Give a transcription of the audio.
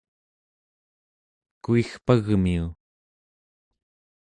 kuigpagmiu